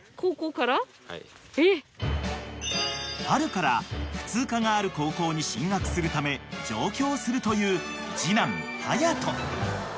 ［春から普通科がある高校に進学するため上京するという次男隼人］